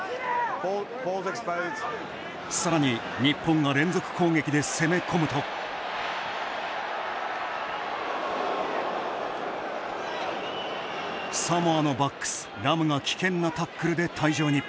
さらに、日本が連続攻撃で攻め込むとサモアのバックス、ラムが危険なタックルで退場に。